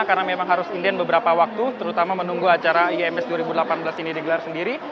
karena memang harus indian beberapa waktu terutama menunggu acara ims dua ribu delapan belas ini digelar sendiri